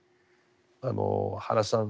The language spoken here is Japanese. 原さん